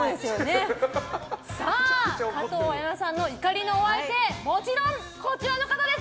加藤綾菜さんの怒りのお相手もちろんこちらの方です。